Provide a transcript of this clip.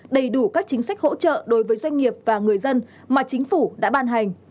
đầy đủ các chính sách hỗ trợ đối với doanh nghiệp và người dân mà chính phủ đã ban hành